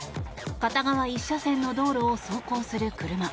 片側１車線の道路を走行する車。